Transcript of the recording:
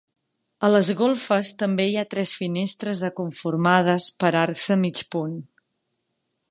A les golfes també hi ha tres finestres de conformades per arcs de mig punt.